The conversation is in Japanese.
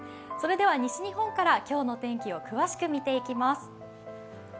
それでは西日本から今日の天気を詳しく見ていきます。